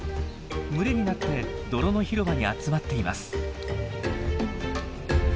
群れになって泥の広場に集まっています。